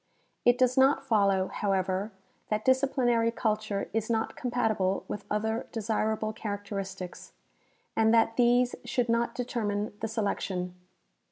It does not follow, however, that disciplinary culture is not compatible with other desirable characteristics, and that these should not determine the selec tion.